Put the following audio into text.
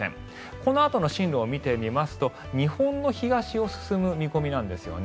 このあとの進路を見てみますと日本の東を進む見込みなんですね。